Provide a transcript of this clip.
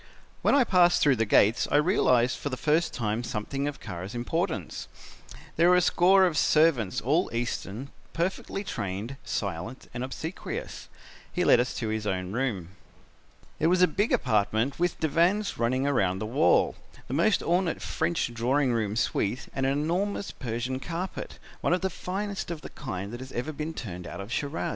"When I passed through the gates I realized for the first time something of Kara's importance. There were a score of servants, all Eastern, perfectly trained, silent and obsequious. He led us to his own room. "It was a big apartment with divans running round the wall, the most ornate French drawing room suite and an enormous Persian carpet, one of the finest of the kind that has ever been turned out of Shiraz.